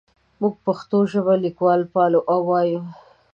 موږ پښتو ژبه لیکو پالو او وایو.